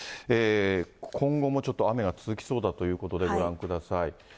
今後もちょっと雨が続きそうだということで、ご覧ください。